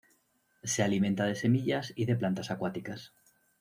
Se alimenta de semillas y de plantas acuáticas.